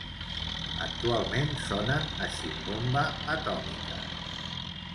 Actualment sonen a Ximbomba Atòmica.